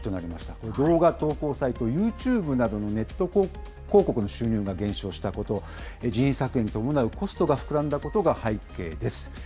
これ、動画投稿サイト、ユーチューブなどのネット広告の収入が減少したこと、人員削減に伴うコストが膨らんだことが背景です。